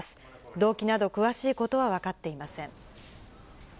動機など詳しいことは分かっていません。